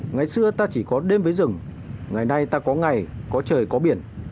ngày xưa ta chỉ có đêm với rừng ngày nay ta có ngày có trời có biển